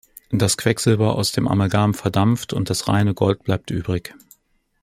Das Quecksilber aus dem Amalgam verdampft und das reine Gold bleibt übrig.